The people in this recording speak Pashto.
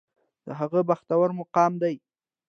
دا هغه بختور مقام دی.